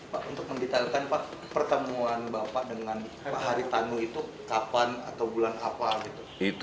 pak untuk mendetailkan pak pertemuan bapak dengan pak haritanu itu kapan atau bulan apa gitu